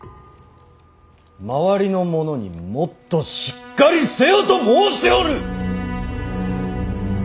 周りの者にもっとしっかりせよと申しておる！